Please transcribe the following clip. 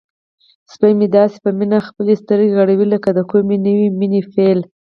سپی مې داسې په مینه خپلې سترګې غړوي لکه د کومې نوې مینې پیل.